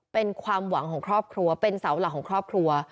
เป็นความหวังของครอบครัวเป็นเสาหลักของครอบครัว